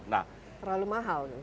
nah terlalu mahal